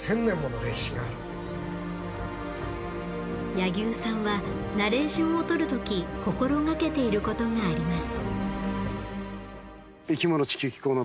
柳生さんはナレーションをとる時心がけていることがあります。